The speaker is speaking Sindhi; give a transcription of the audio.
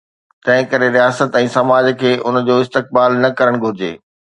تنهنڪري رياست ۽ سماج کي ان جو استقبال نه ڪرڻ گهرجي.